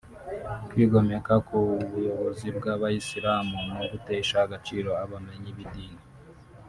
kwigomeka ku buyobozi bw’abayisilamu no gutesha agaciro abamenyi b’idini